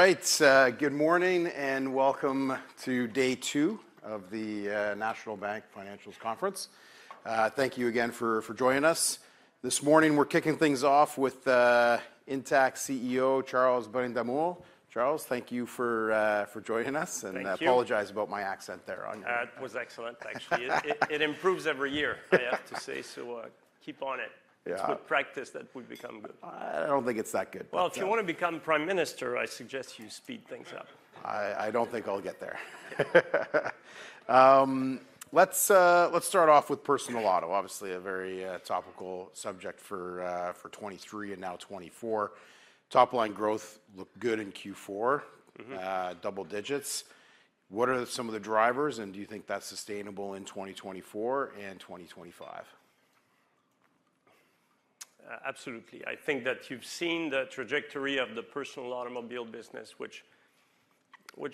All right, good morning and welcome to day two of the National Bank Financials Conference. Thank you again for joining us. This morning we're kicking things off with Intact CEO Charles Brindamour. Charles, thank you for joining us, and I apologize about my accent there on your. That was excellent, actually. It improves every year, I have to say, so keep on it. It's with practice that we become good. I don't think it's that good. Well, if you want to become Prime Minister, I suggest you speed things up. I don't think I'll get there. Let's start off with personal auto, obviously a very topical subject for 2023 and now 2024. Top-line growth looked good in Q4, double digits. What are some of the drivers, and do you think that's sustainable in 2024 and 2025? Absolutely. I think that you've seen the trajectory of the personal automobile business, which,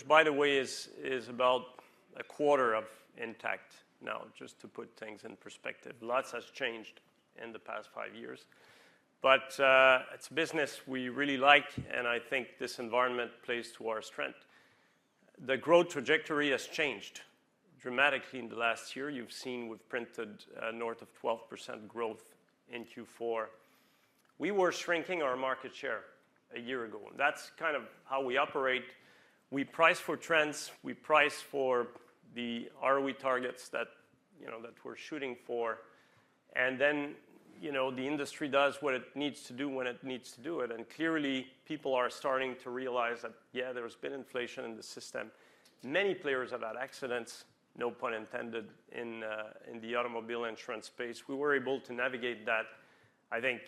by the way, is about a quarter of Intact now, just to put things in perspective. Lots has changed in the past five years. But it's a business we really like, and I think this environment plays to our strength. The growth trajectory has changed dramatically in the last year. You've seen we've printed north of 12% growth in Q4. We were shrinking our market share a year ago. That's kind of how we operate. We price for trends. We price for the ROE targets that we're shooting for. And then the industry does what it needs to do when it needs to do it. And clearly, people are starting to realize that, yeah, there's been inflation in the system. Many players have had accidents, no pun intended, in the automobile insurance space. We were able to navigate that, I think,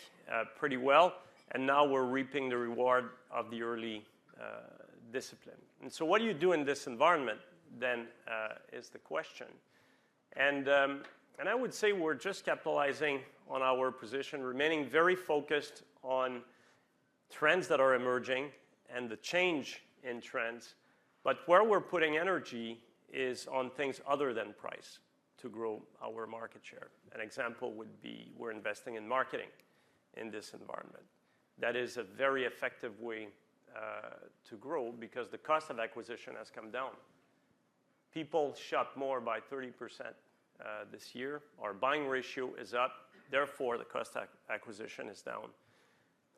pretty well. Now we're reaping the reward of the early discipline. What do you do in this environment, then, is the question. I would say we're just capitalizing on our position, remaining very focused on trends that are emerging and the change in trends. But where we're putting energy is on things other than price to grow our market share. An example would be we're investing in marketing in this environment. That is a very effective way to grow because the cost of acquisition has come down. People shop more by 30% this year. Our buying ratio is up. Therefore, the cost of acquisition is down.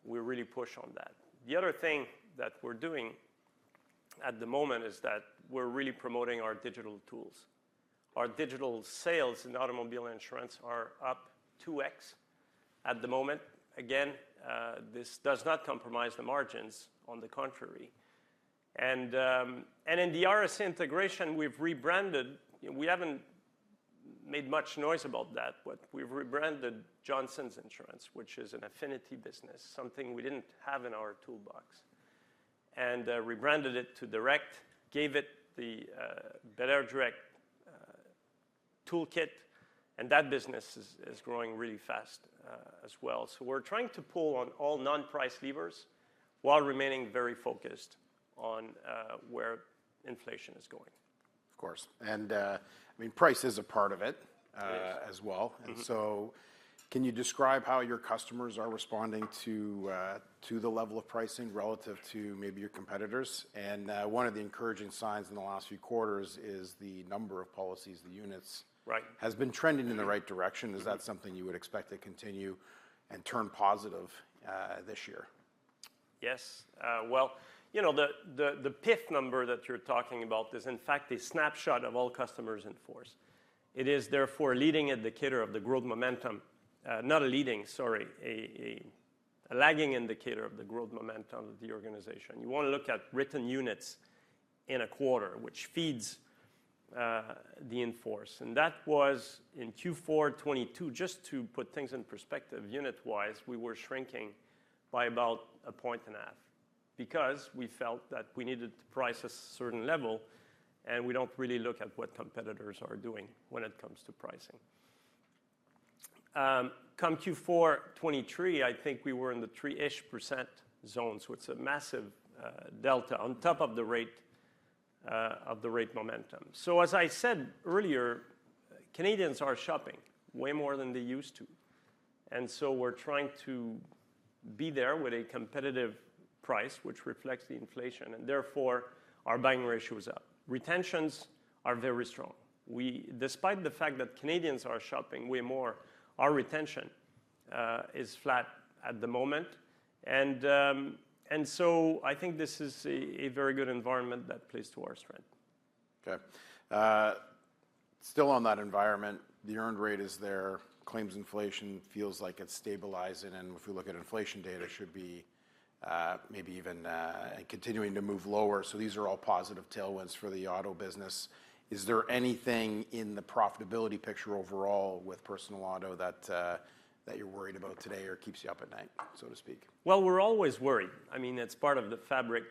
We really push on that. The other thing that we're doing at the moment is that we're really promoting our digital tools. Our digital sales in automobile insurance are up 2x at the moment. Again, this does not compromise the margins. On the contrary. In the RSA integration, we've rebranded. We haven't made much noise about that, but we've rebranded Johnson Insurance, which is an affinity business, something we didn't have in our toolbox, and rebranded it to belairdirect, gave it the belairdirect toolkit. That business is growing really fast as well. We're trying to pull on all non-price levers while remaining very focused on where inflation is going. Of course. And I mean, price is a part of it as well. And so can you describe how your customers are responding to the level of pricing relative to maybe your competitors? And one of the encouraging signs in the last few quarters is the number of policies, the units, has been trending in the right direction. Is that something you would expect to continue and turn positive this year? Yes. Well, you know the PIF number that you're talking about is, in fact, a snapshot of all customers in force. It is, therefore, leading indicator of the growth momentum, sorry, a lagging indicator of the growth momentum of the organization. You want to look at written units in a quarter, which feeds the in force. And that was in Q4 2022, just to put things in perspective unit-wise, we were shrinking by about 1.5 because we felt that we needed to price a certain level, and we don't really look at what competitors are doing when it comes to pricing. Come Q4 2023, I think we were in the 3%-ish zone. So it's a massive delta on top of the rate of the rate momentum. So as I said earlier, Canadians are shopping way more than they used to. So we're trying to be there with a competitive price, which reflects the inflation. Therefore, our combined ratio is up. Retentions are very strong. Despite the fact that Canadians are shopping way more, our retention is flat at the moment. So I think this is a very good environment that plays to our strength. OK. Still on that environment, the earned rate is there. Claims inflation feels like it's stabilizing. And if we look at inflation data, it should be maybe even continuing to move lower. So these are all positive tailwinds for the auto business. Is there anything in the profitability picture overall with personal auto that you're worried about today or keeps you up at night, so to speak? Well, we're always worried. I mean, it's part of the fabric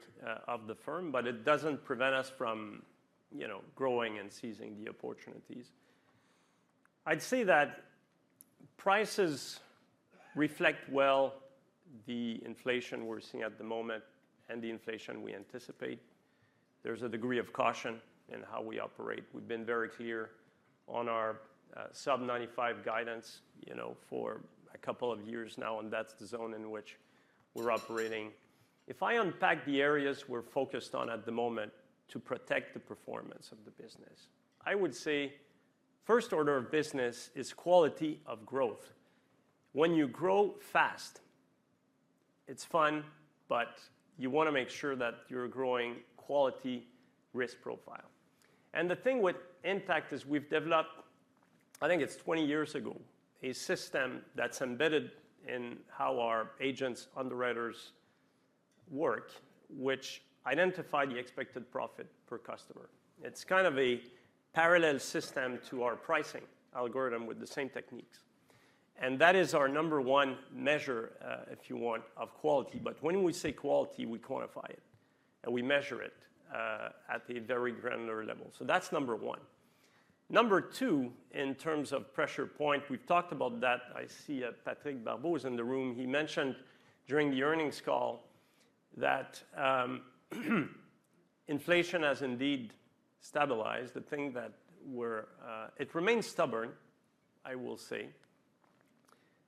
of the firm, but it doesn't prevent us from growing and seizing the opportunities. I'd say that prices reflect well the inflation we're seeing at the moment and the inflation we anticipate. There's a degree of caution in how we operate. We've been very clear on our sub-95 guidance for a couple of years now, and that's the zone in which we're operating. If I unpack the areas we're focused on at the moment to protect the performance of the business, I would say first order of business is quality of growth. When you grow fast, it's fun, but you want to make sure that you're growing quality risk profile. The thing with Intact is we've developed I think it's 20 years ago a system that's embedded in how our agents, underwriters, work, which identifies the expected profit per customer. It's kind of a parallel system to our pricing algorithm with the same techniques. That is our number one measure, if you want, of quality. But when we say quality, we quantify it, and we measure it at a very granular level. That's number one. Number two, in terms of pressure point we've talked about that. I see Patrick Barbeau is in the room. He mentioned during the earnings call that inflation has indeed stabilized. The thing that we're it remains stubborn, I will say.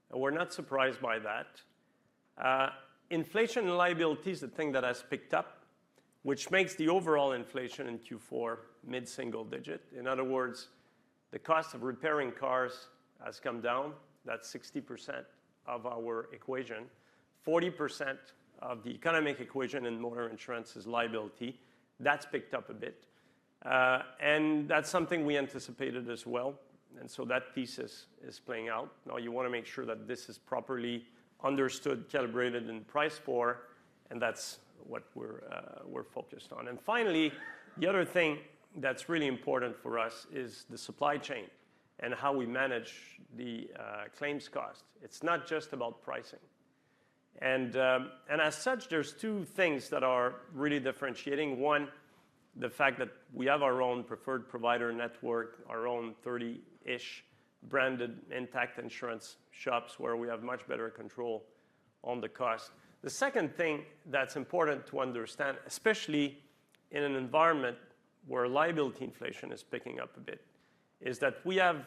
We're not surprised by that. Inflation and liability is the thing that has picked up, which makes the overall inflation in Q4 mid-single digit. In other words, the cost of repairing cars has come down. That's 60% of our equation. 40% of the economic equation in motor insurance is liability. That's picked up a bit. That's something we anticipated as well. So that thesis is playing out. Now, you want to make sure that this is properly understood, calibrated, and priced for. That's what we're focused on. Finally, the other thing that's really important for us is the supply chain and how we manage the claims cost. It's not just about pricing. As such, there's two things that are really differentiating. One, the fact that we have our own preferred provider network, our own 30-ish branded Intact Insurance shops where we have much better control on the cost. The second thing that's important to understand, especially in an environment where liability inflation is picking up a bit, is that we have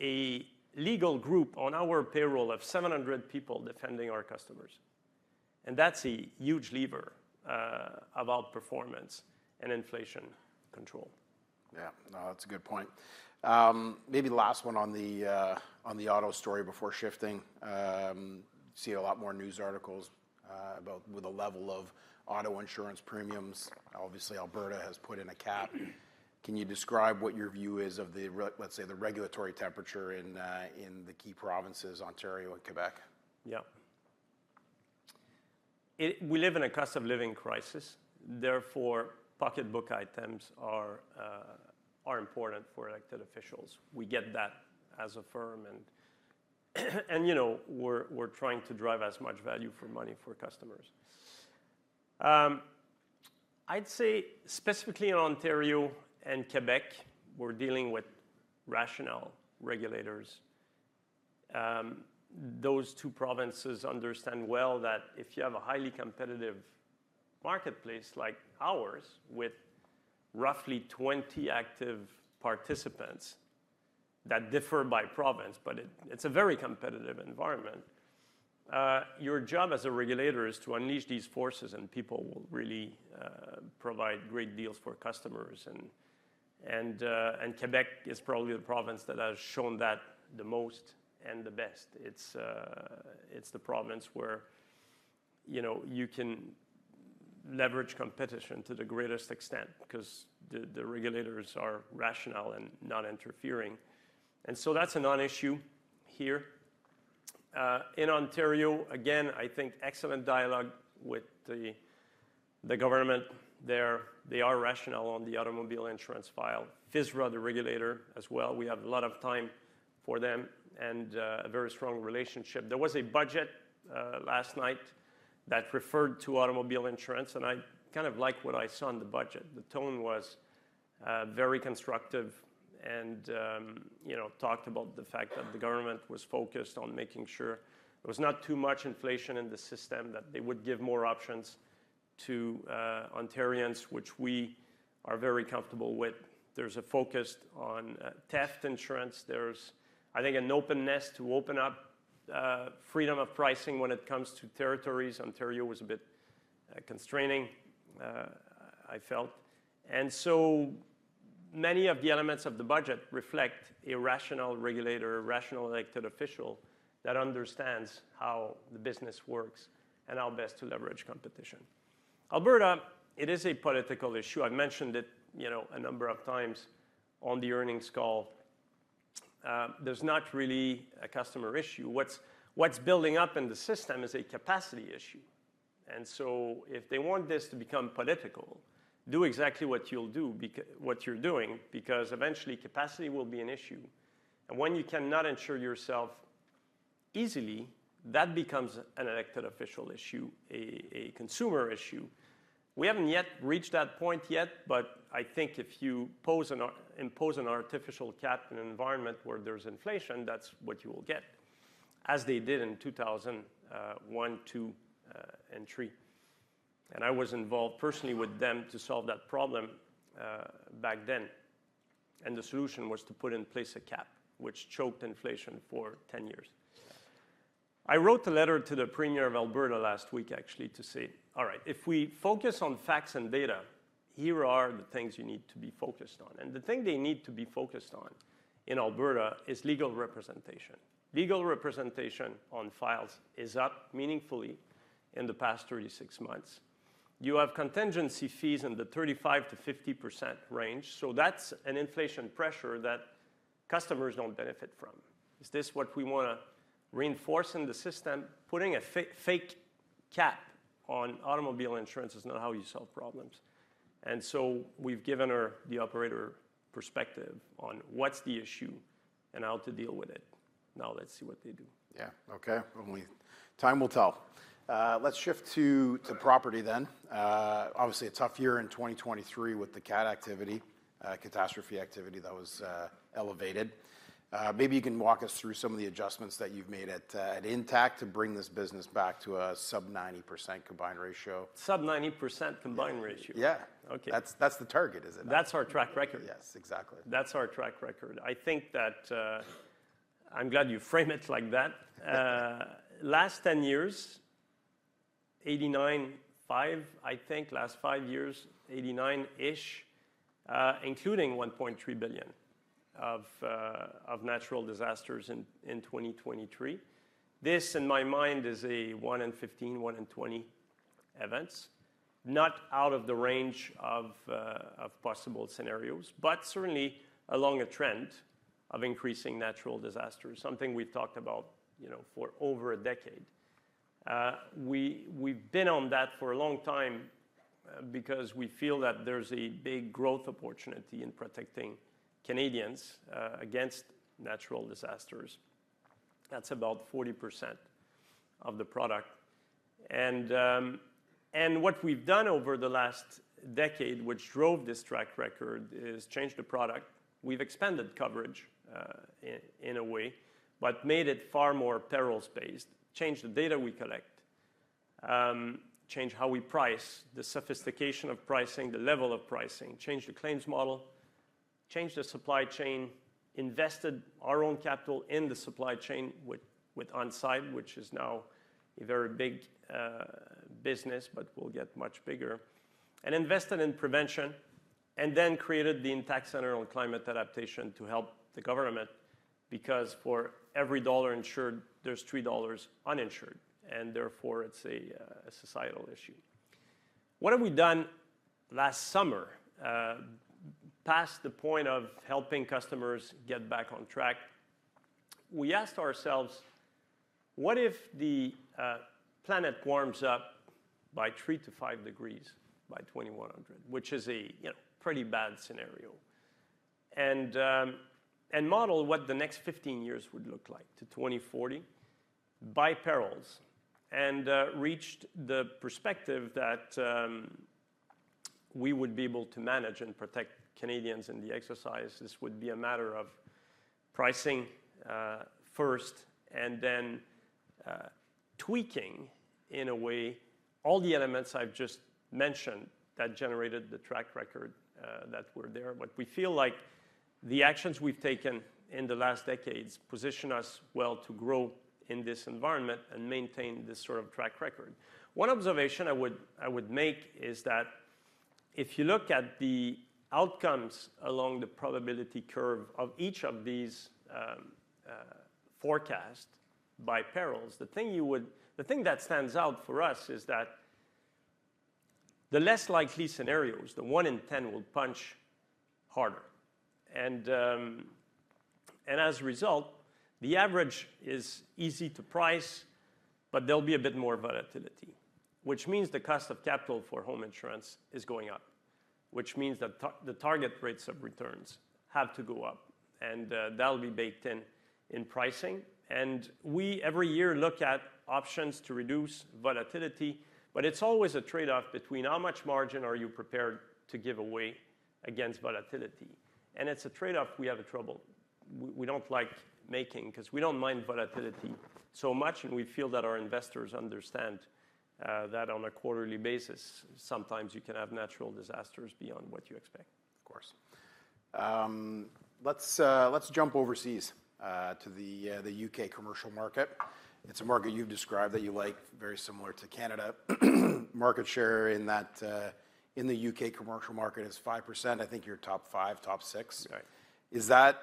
a legal group on our payroll of 700 people defending our customers. That's a huge lever about performance and inflation control. Yeah. No, that's a good point. Maybe last one on the auto story before shifting. I see a lot more news articles about the level of auto insurance premiums. Obviously, Alberta has put in a cap. Can you describe what your view is of, let's say, the regulatory temperature in the key provinces, Ontario and Quebec? Yeah. We live in a cost of living crisis. Therefore, pocketbook items are important for elected officials. We get that as a firm. And we're trying to drive as much value for money for customers. I'd say specifically in Ontario and Quebec, we're dealing with rational regulators. Those two provinces understand well that if you have a highly competitive marketplace like ours with roughly 20 active participants that differ by province, but it's a very competitive environment, your job as a regulator is to unleash these forces, and people will really provide great deals for customers. And Quebec is probably the province that has shown that the most and the best. It's the province where you can leverage competition to the greatest extent because the regulators are rational and not interfering. And so that's a non-issue here. In Ontario, again, I think excellent dialogue with the government there. They are rational on the automobile insurance file. FSRA, the regulator, as well. We have a lot of time for them and a very strong relationship. There was a budget last night that referred to automobile insurance. I kind of like what I saw in the budget. The tone was very constructive and talked about the fact that the government was focused on making sure there was not too much inflation in the system, that they would give more options to Ontarians, which we are very comfortable with. There's a focus on theft insurance. There's, I think, an openness to open up freedom of pricing when it comes to territories. Ontario was a bit constraining, I felt. So many of the elements of the budget reflect a rational regulator, a rational elected official that understands how the business works and how best to leverage competition. Alberta, it is a political issue. I've mentioned it a number of times on the earnings call. There's not really a customer issue. What's building up in the system is a capacity issue. And so if they want this to become political, do exactly what you'll do, what you're doing, because eventually, capacity will be an issue. And when you cannot ensure yourself easily, that becomes an elected official issue, a consumer issue. We haven't yet reached that point yet. But I think if you impose an artificial cap in an environment where there's inflation, that's what you will get, as they did in 2001, 2002, and 2003. And I was involved personally with them to solve that problem back then. And the solution was to put in place a cap, which choked inflation for 10 years. I wrote a letter to the Premier of Alberta last week, actually, to say, all right, if we focus on facts and data, here are the things you need to be focused on. The thing they need to be focused on in Alberta is legal representation. Legal representation on files is up meaningfully in the past 36 months. You have contingency fees in the 35% to 50% range. That's an inflation pressure that customers don't benefit from. Is this what we want to reinforce in the system? Putting a fake cap on automobile insurance is not how you solve problems. We've given her the operator perspective on what's the issue and how to deal with it. Now let's see what they do. Yeah. OK. Time will tell. Let's shift to property then. Obviously, a tough year in 2023 with the cat activity, catastrophe activity that was elevated. Maybe you can walk us through some of the adjustments that you've made at Intact to bring this business back to a sub-90% combined ratio. Sub-90% Combined Ratio. Yeah. OK. That's the target, is it not? That's our track record. Yes, exactly. That's our track record. I think that I'm glad you frame it like that. Last 10 years, 89, 105, I think last five years, 89-ish, including 1.3 billion of natural disasters in 2023. This, in my mind, is a 1-in-15 to 1-in-20 events, not out of the range of possible scenarios, but certainly along a trend of increasing natural disasters, something we've talked about for over a decade. We've been on that for a long time because we feel that there's a big growth opportunity in protecting Canadians against natural disasters. That's about 40% of the product. And what we've done over the last decade, which drove this track record, is change the product. We've expanded coverage in a way, but made it far more perils-based, changed the data we collect, changed how we price, the sophistication of pricing, the level of pricing, changed the claims model, changed the supply chain, invested our own capital in the supply chain with On Side, which is now a very big business, but will get much bigger, and invested in prevention, and then created the Intact Centre on Climate Adaptation to help the government because for every CAD 1 insured, there's 3 dollars uninsured. Therefore, it's a societal issue. What have we done last summer past the point of helping customers get back on track? We asked ourselves, what if the planet warms up by 3 to 5 degrees by 2100, which is a pretty bad scenario, and model what the next 15 years would look like to 2040 by perils, and reached the perspective that we would be able to manage and protect Canadians in the exercise? This would be a matter of pricing first and then tweaking, in a way, all the elements I've just mentioned that generated the track record that were there. But we feel like the actions we've taken in the last decades position us well to grow in this environment and maintain this sort of track record. One observation I would make is that if you look at the outcomes along the probability curve of each of these forecasts by perils, the thing that stands out for us is that the less likely scenarios, the 1 in 10, will punch harder. As a result, the average is easy to price, but there'll be a bit more volatility, which means the cost of capital for home insurance is going up, which means that the target rates of returns have to go up. That'll be baked in in pricing. We, every year, look at options to reduce volatility. But it's always a trade-off between how much margin are you prepared to give away against volatility. It's a trade-off we have trouble we don't like making because we don't mind volatility so much. We feel that our investors understand that on a quarterly basis. Sometimes you can have natural disasters beyond what you expect, of course. Let's jump overseas to the U.K. commercial market. It's a market you've described that you like, very similar to Canada. Market share in the U.K. commercial market is 5%. I think you're top five, top six. Is that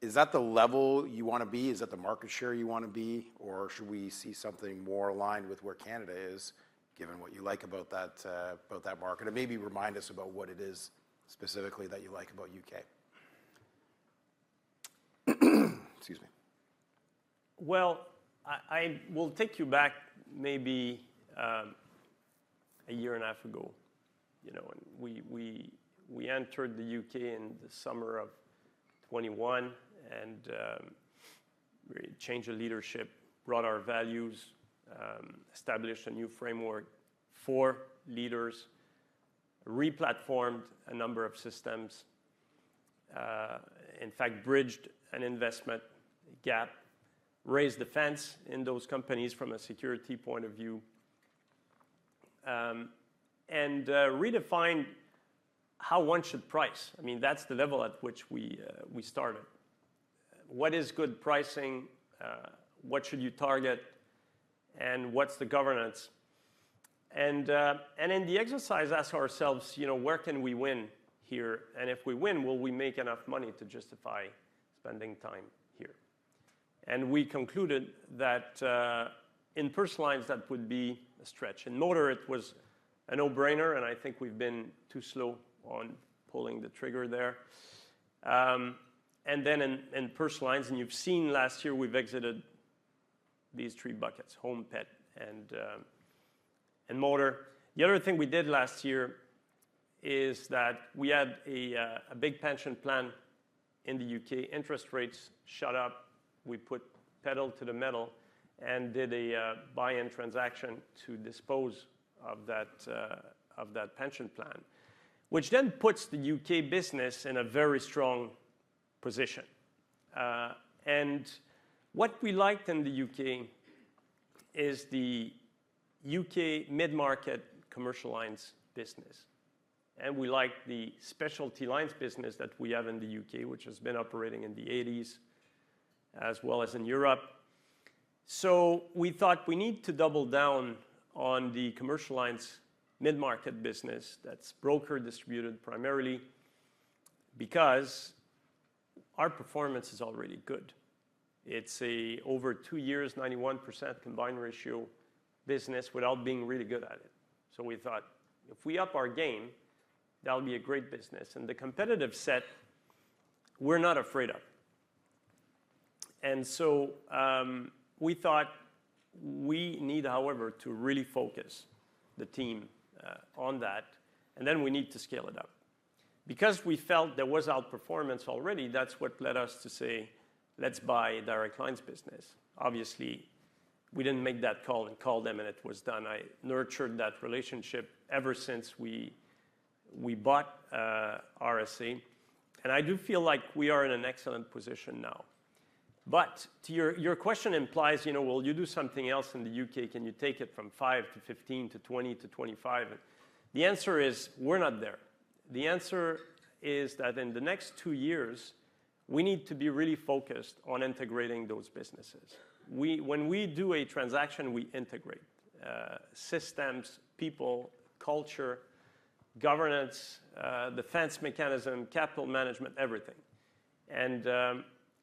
the level you want to be? Is that the market share you want to be? Or should we see something more aligned with where Canada is, given what you like about that market? And maybe remind us about what it is specifically that you like about U.K. Excuse me. Well, I will take you back maybe a year and a half ago. We entered the U.K. in the summer of 2021 and changed the leadership, brought our values, established a new framework for leaders, replatformed a number of systems, in fact, bridged an investment gap, raised the fence in those companies from a security point of view, and redefined how one should price. I mean, that's the level at which we started. What is good pricing? What should you target? What's the governance? In the exercise, ask ourselves, where can we win here? If we win, will we make enough money to justify spending time here? We concluded that, in personal lines, that would be a stretch. In motor, it was a no-brainer. I think we've been too slow on pulling the trigger there. And then in personal lines, and you've seen last year, we've exited these three buckets, home, pet, and motor. The other thing we did last year is that we had a big pension plan in the U.K. Interest rates shot up. We put pedal to the metal and did a buy-in transaction to dispose of that pension plan, which then puts the U.K. business in a very strong position. And what we liked in the U.K. is the U.K. mid-market commercial lines business. And we like the specialty lines business that we have in the U.K., which has been operating in the '80s as well as in Europe. So we thought we need to double down on the commercial lines mid-market business that's broker-distributed primarily because our performance is already good. It's over two years, 91% combined ratio business without being really good at it. So we thought, if we up our game, that'll be a great business. And the competitive set, we're not afraid of. And so we thought we need, however, to really focus the team on that. And then we need to scale it up. Because we felt there was outperformance already, that's what led us to say, let's buy a Direct Line business. Obviously, we didn't make that call and call them, and it was done. I nurtured that relationship ever since we bought RSA. And I do feel like we are in an excellent position now. But to your question implies, will you do something else in the U.K.? Can you take it from 5 to 15 to 20 to 25? The answer is, we're not there. The answer is that in the next two years, we need to be really focused on integrating those businesses. When we do a transaction, we integrate systems, people, culture, governance, defense mechanism, capital management, everything.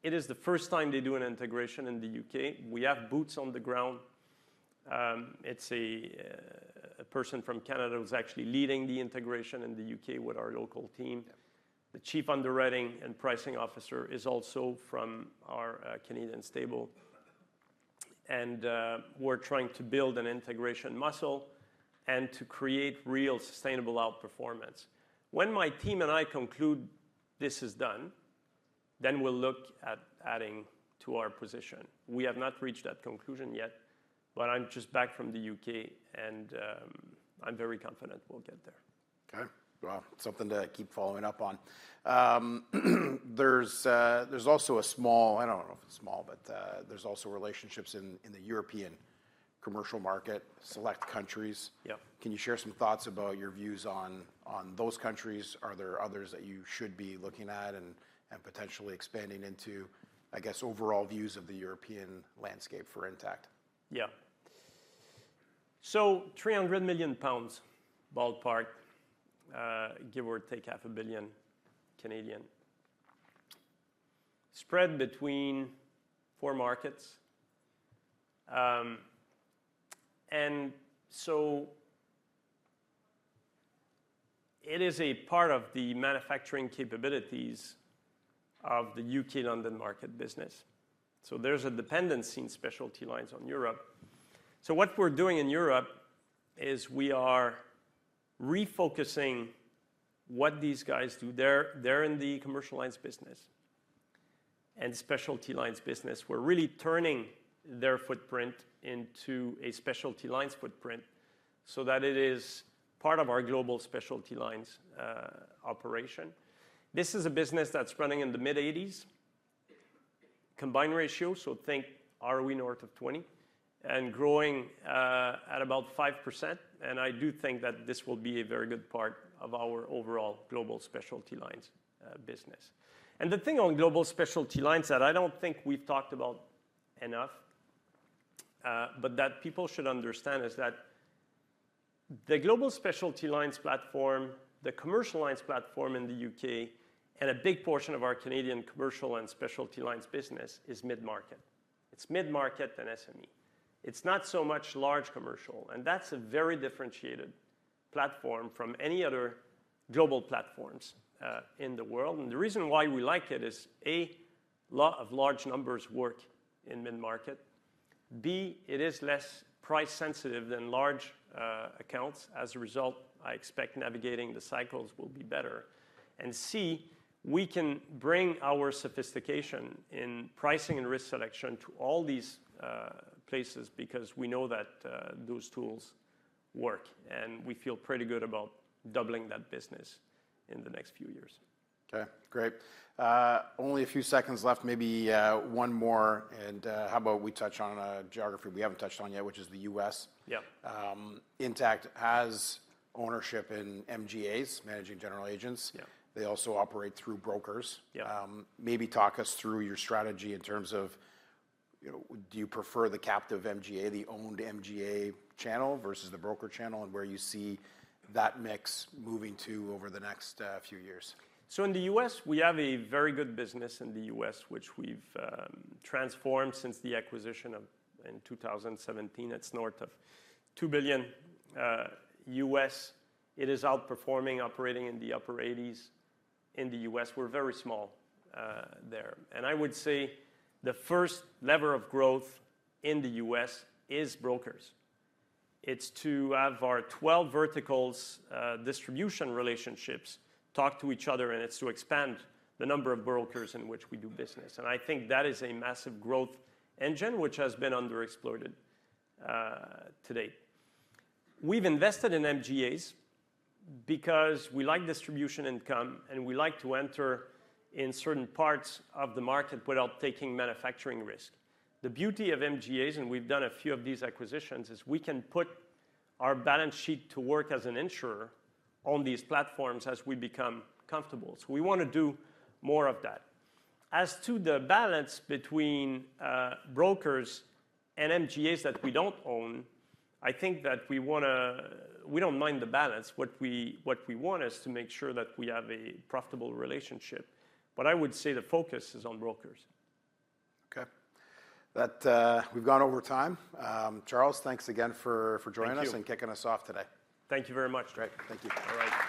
It is the first time they do an integration in the U.K. We have boots on the ground. It's a person from Canada who's actually leading the integration in the U.K. with our local team. The chief underwriting and pricing officer is also from our Canadian stable. We're trying to build an integration muscle and to create real sustainable outperformance. When my team and I conclude this is done, then we'll look at adding to our position. We have not reached that conclusion yet. But I'm just back from the U.K. I'm very confident we'll get there. OK. Wow. Something to keep following up on. There's also a small I don't know if it's small, but there's also relationships in the European commercial market, select countries. Can you share some thoughts about your views on those countries? Are there others that you should be looking at and potentially expanding into, I guess, overall views of the European landscape for Intact? Yeah. So 300 million pounds, ballpark, give or take 500 million, spread between four markets. And so it is a part of the manufacturing capabilities of the U.K. London market business. So there's a dependency in specialty lines on Europe. So what we're doing in Europe is we are refocusing what these guys do. They're in the commercial lines business and specialty lines business. We're really turning their footprint into a specialty lines footprint so that it is part of our global specialty lines operation. This is a business that's running in the mid-80s Combined Ratio, so think ROE north of 20%, and growing at about 5%. And I do think that this will be a very good part of our overall global specialty lines business. The thing on global specialty lines that I don't think we've talked about enough, but that people should understand, is that the global specialty lines platform, the commercial lines platform in the U.K., and a big portion of our Canadian commercial and specialty lines business is mid-market. It's mid-market and SME. It's not so much large commercial. That's a very differentiated platform from any other global platforms in the world. The reason why we like it is, A, a lot of large numbers work in mid-market. B, it is less price sensitive than large accounts. As a result, I expect navigating the cycles will be better. And C, we can bring our sophistication in pricing and risk selection to all these places because we know that those tools work. We feel pretty good about doubling that business in the next few years. OK. Great. Only a few seconds left. Maybe one more. How about we touch on a geography we haven't touched on yet, which is the U.S.? Yeah. Intact has ownership in MGAs, managing general agents. They also operate through brokers. Maybe talk us through your strategy in terms of do you prefer the captive MGA, the owned MGA channel versus the broker channel, and where you see that mix moving to over the next few years? So in the U.S., we have a very good business in the U.S., which we've transformed since the acquisition in 2017. It's north of $2 billion. It is outperforming, operating in the upper 80s in the U.S. We're very small there. And I would say the first lever of growth in the U.S. is brokers. It's to have our 12 verticals distribution relationships talk to each other. And it's to expand the number of brokers in which we do business. And I think that is a massive growth engine, which has been underexploited to date. We've invested in MGAs because we like distribution income. And we like to enter in certain parts of the market without taking manufacturing risk. The beauty of MGAs, and we've done a few of these acquisitions, is we can put our balance sheet to work as an insurer on these platforms as we become comfortable. So we want to do more of that. As to the balance between brokers and MGAs that we don't own, I think that we don't mind the balance. What we want is to make sure that we have a profitable relationship. But I would say the focus is on brokers. OK. We've gone over time. Charles, thanks again for joining us and kicking us off today. Thank you very much, Drey. Great. Thank you. All right.